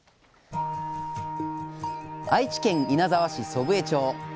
愛知県稲沢市祖父江町。